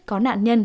có nạn nhân